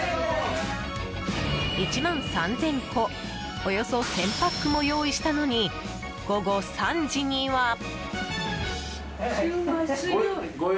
１万３０００個およそ１０００パックも用意したのに午後３時には。